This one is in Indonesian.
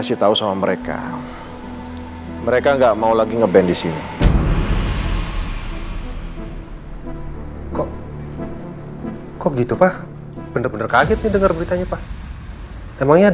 iya soalnya saya ingin bicara langsung dengan daniel tersebut